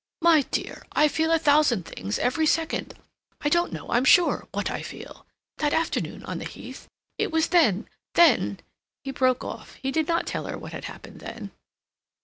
"My dear, I feel a thousand things every second. I don't know, I'm sure, what I feel. That afternoon on the heath—it was then—then—" He broke off; he did not tell her what had happened then.